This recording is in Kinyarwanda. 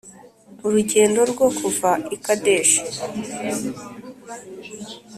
Urugendo rwo kuva i Kadeshi-